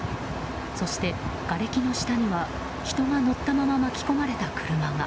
そして、がれきの下には人が乗ったまま巻き込まれた車が。